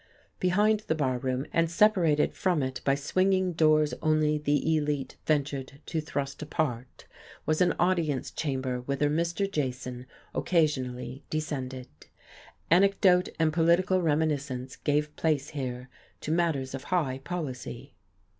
Behind the bar room, and separated from it by swinging doors only the elite ventured to thrust apart, was an audience chamber whither Mr. Jason occasionally descended. Anecdote and political reminiscence gave place here to matters of high policy.